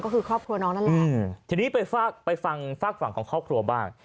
ก็คือครอบครัวน้องนั่นแหละทีนี้ไปฝากไปฟังฝากฝั่งของครอบครัวบ้าง